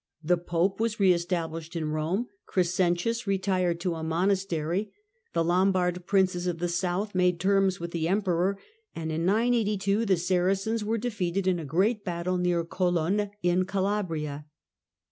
The Pope was re established in Eome, Crescentius retired to a monastery, the Lombard princes of the South made terms with the Emperor, and in 982 the Saracens were defeated in a great battle near Colonne, in Calabria.